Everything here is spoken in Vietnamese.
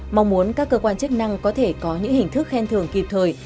mong muốn các cơ quan chức năng có thể có những hình thức khen thường kịp thời